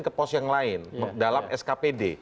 ke pos yang lain dalam skpd